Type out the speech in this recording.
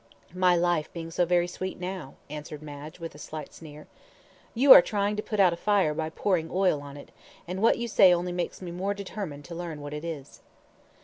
"My life being so very sweet now," answered Madge, with a slight sneer. "You are trying to put out a fire by pouring oil on it, and what you say only makes me more determined to learn what it is."